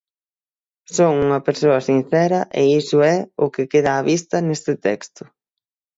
Son unha persoa sincera e iso é o que queda á vista neste texto.